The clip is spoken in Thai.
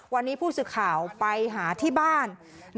วันนี้ผู้สื่อข่าวไปหาที่บ้าน